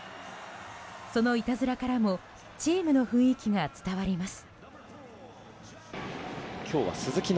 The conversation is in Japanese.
そのいたずらからもチームの雰囲気が伝わります。